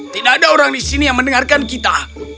tidak ada orang di sini yang mendengarkan kita